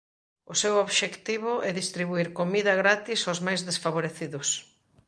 O seu obxectivo é distribuír comida gratis aos máis desfavorecidos.